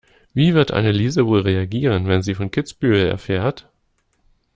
Wie wird Anneliese wohl reagieren, wenn sie von Kitzbühel erfährt?